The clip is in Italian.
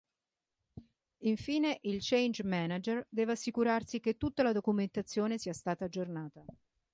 Infine il Change Manager deve assicurarsi che tutta la documentazione sia stata aggiornata.